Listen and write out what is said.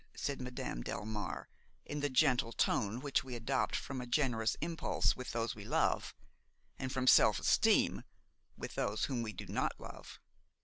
said Madame Delmare in the gentle tone which we adopt from a generous impulse with those we love, and from self esteem with those whom we do not love.